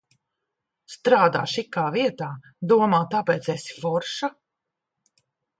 Strādā šikā vietā, domā, tāpēc esi forša.